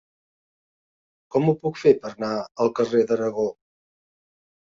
Com ho puc fer per anar al carrer d'Aragó?